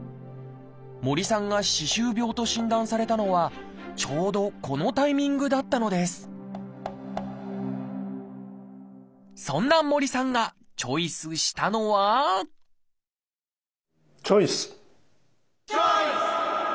森さんが「歯周病」と診断されたのはちょうどこのタイミングだったのですそんな森さんがチョイスしたのはチョイス！